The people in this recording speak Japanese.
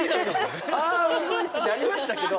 あむずいってなりましたけど。